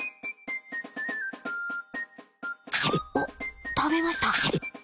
おっ食べました。